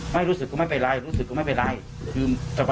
ไม่รู้สึกก็ไม่เป็นไรรู้สึกก็ไม่เป็นไรคือ